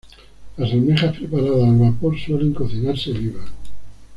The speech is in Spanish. Las almejas preparadas al vapor suelen cocinarse vivas.